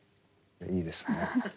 いいですね。